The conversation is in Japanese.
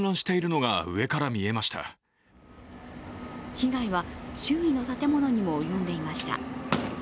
被害は周囲の建物にも及んでいました。